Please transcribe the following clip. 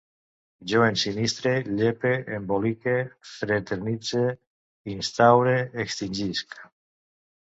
Jo ensinistre, llepe, embolique, fraternitze, instaure, extingisc